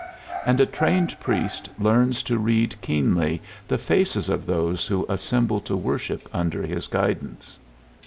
And a trained priest learns to read keenly the faces of those who assemble to worship under his guidance.